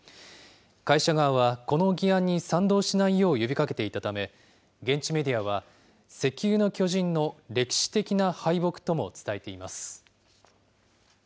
会社側はこの議案に賛同しないよう呼びかけていたため、現地メディアは、石油の巨人の歴史的な敗北とも伝えています。